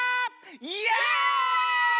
イエイ！